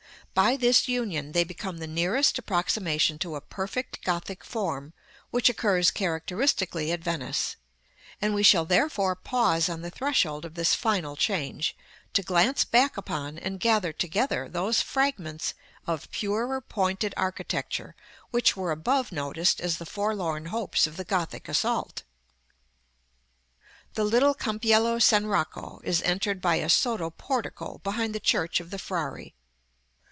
By this union they become the nearest approximation to a perfect Gothic form which occurs characteristically at Venice; and we shall therefore pause on the threshold of this final change, to glance back upon, and gather together, those fragments of purer pointed architecture which were above noticed as the forlorn hopes of the Gothic assault. [Illustration: Fig. XXXIII.] [Illustration: Fig. XXXIV.] The little Campiello San Rocco is entered by a sotto portico behind the church of the Frari.